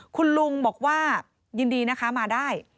คุณลุงบอกว่ายินดีนะคะมาได้